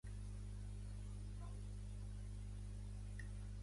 El nom apareix sovint en el Tanakh com a sinònim d'Hebron.